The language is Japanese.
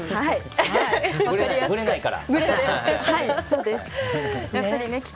ぶれないから。